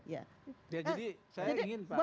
jadi saya ingin pak musa